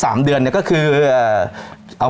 สวัสดีครับ